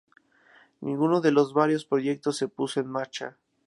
Ninguno de los varios proyectos se puso en marcha.